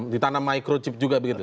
ditanam microchip juga begitu